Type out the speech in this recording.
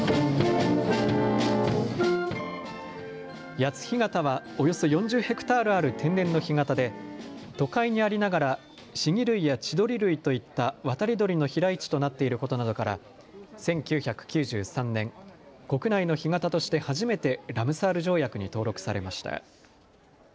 谷津干潟はおよそ４０ヘクタールある天然の干潟で都会にありながらシギ類やチドリ類といった渡り鳥の飛来地となっていることなどから１９９３年、国内の干潟として初めてラムサール条約に登録されました。